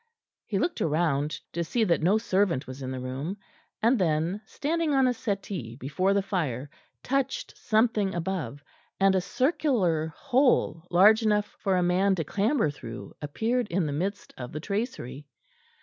He looked round to see that no servant was in the room, and then, standing on a settee before the fire, touched something above, and a circular hole large enough for a man to clamber through appeared in the midst of the tracery.